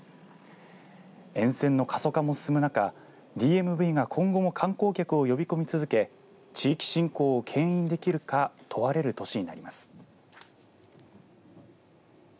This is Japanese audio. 沿線の過疎化も進む中ＤＭＶが今後も観光客を呼び込み続け地域振興をけん引できるか問われる年になります。